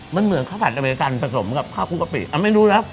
มันเหมือนข้าวผัดอเมริกันผสมกับข้าวคุกกะปิไม่รู้แล้ว